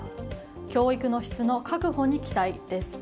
教育の質の確保に期待です。